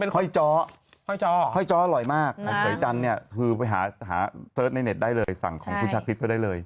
ห้อยจ้อห้อยจ้ออร่อยมากของหอยจันทร์เนี่ยคือไปหาเสิร์ชในเน็ตได้เลยสั่งของคุณชาคริสก็ได้เลย